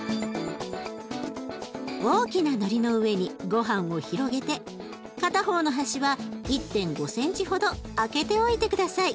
大きなのりの上にごはんを広げて片方の端は１．５センチほど空けておいて下さい。